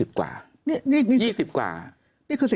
เพราะอาชญากรเขาต้องปล่อยเงิน